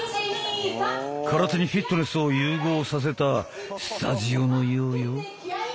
空手にフィットネスを融合させたスタジオのようよ。